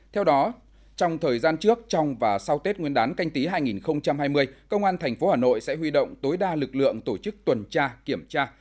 theo đó trong thời gian trước trong và sau tết nguyên đán canh tí hai nghìn hai mươi công an tp hà nội sẽ huy động tối đa lực lượng tổ chức tuần tra kiểm tra